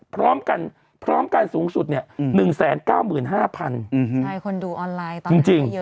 พร้อมกันพร้อมกันสูงสุดเนี่ย๑๙๕๐๐ใช่คนดูออนไลน์ตอนนี้จริง